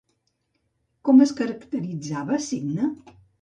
Com es caracteritzava Cicne?